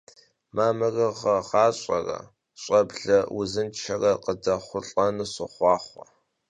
Mamırığe ğaş'ere ş'eble vuzınşşere khıdexhulh'enu soxhuaxhue!